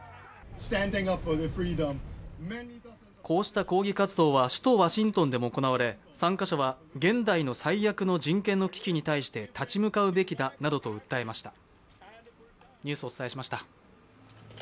こうした抗議活動は首都ワシントンでも行われ参加者は現代の最悪の人権の危機に対して立ち向かうべきだなどと訴えました。